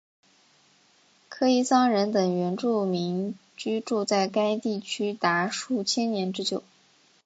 科伊桑人等原住民居住在该地区达数千年之久。